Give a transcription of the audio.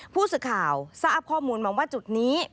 ผู้สื่อข่าวทราบข้อมูลมาว่าจุดนี้